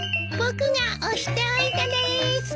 僕が押しておいたです。